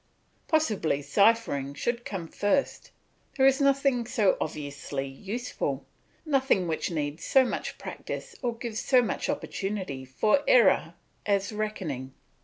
Possibly cyphering should come first; there is nothing so obviously useful, nothing which needs so much practice or gives so much opportunity for error as reckoning.